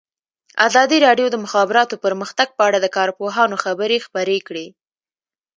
ازادي راډیو د د مخابراتو پرمختګ په اړه د کارپوهانو خبرې خپرې کړي.